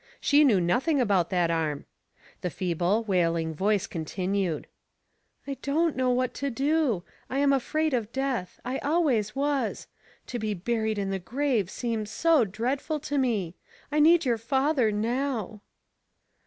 She knew nothing about that Arm. The feeble, wailing voice continued : "I don't know what to do. I am afraid of death. I always was. To be buried in the grave seems so dreadful to me. I need your father now."